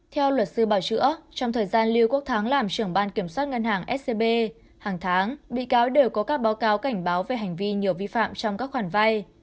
theo luật sư bảo chữa trong thời gian lưu quốc thắng làm trưởng ban kiểm soát ngân hàng scb hàng tháng bị cáo đều có các báo cáo cảnh báo về hành vi nhiều vi phạm trong các khoản vay